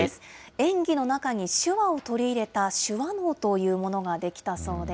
演技の中に手話を取り入れた手話能というものができたそうです。